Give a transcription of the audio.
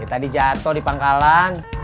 eh tadi jatoh di pangkalan